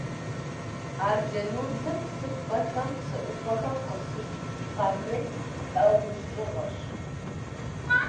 Арджэнудзыр псыпцӏэхэм, псы ӏуфэхэм къыщыкӏ къамыл лӏэужьыгъуэщ.